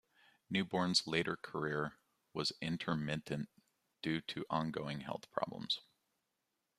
Newborn's later career was intermittent due to ongoing health problems.